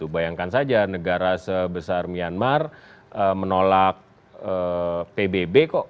bayangkan saja negara sebesar myanmar menolak pbb kok